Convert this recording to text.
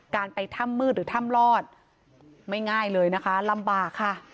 การไปถ้ำมืดหรือถ้ำลอดไม่ง่ายเลยนะคะลำบากค่ะ